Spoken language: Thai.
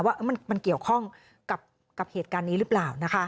ว่ามันเกี่ยวข้องกับเหตุการณ์นี้หรือเปล่า